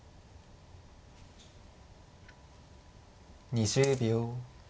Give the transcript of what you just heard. ２０秒。